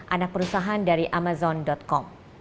anak perusahaan dari amazon com